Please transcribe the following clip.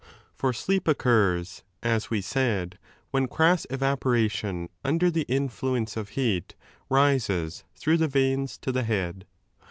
For sleep occurs, as we said, when crass evaporation under the influence of heat, rises through the 23 veins to the head.